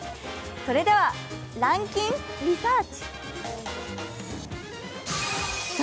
それでは「ランキンリサーチ」。